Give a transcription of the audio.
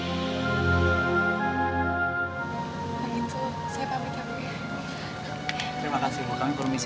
terima kasih makasih bu kami permisi